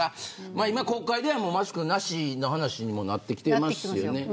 今、国会ではマスクなしの話にもなってきてますよね。